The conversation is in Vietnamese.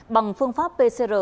bằng phương pháp pcr